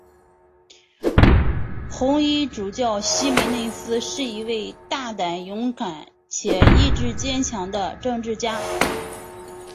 红衣主教希梅内斯是一位大胆勇敢且意志坚强的政治家。